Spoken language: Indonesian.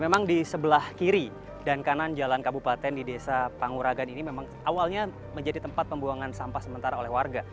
memang di sebelah kiri dan kanan jalan kabupaten di desa panguragan ini memang awalnya menjadi tempat pembuangan sampah sementara oleh warga